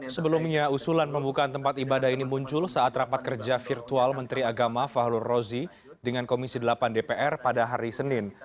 sebelumnya usulan pembukaan tempat ibadah ini muncul saat rapat kerja virtual menteri agama fahlur rozi dengan komisi delapan dpr pada hari senin